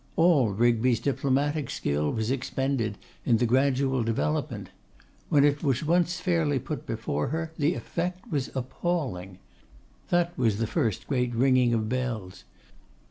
All Rigby's diplomatic skill was expended in the gradual development. When it was once fairly put before her, the effect was appalling. That was the first great ringing of bells.